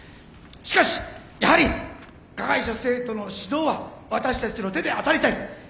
しかしやはり加害者生徒の指導は私たちの手で当たりたい。